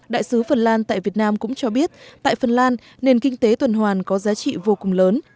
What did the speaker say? đại sứ phần lan tại việt nam cũng cho biết tại phần lan nền kinh tế tuần hoàn có giá trị vô cùng lớn